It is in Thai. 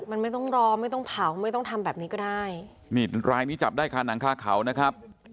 มันไม่ต้องรอไม่ต้องเผาไม่ต้องทำแบบนี้ก็ได้นี่รายนี้จับได้ค่ะหนังคาเขานะครับ